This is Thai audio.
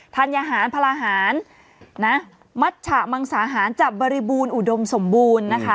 ธัญหาญพลาหารมัชฉะมังสาหารจับบริบูรณ์อุดมสมบูรณ์